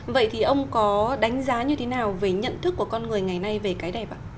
vậy thì ông có đánh giá như thế nào về nhận thức của con người ngày nay về cái đẹp ạ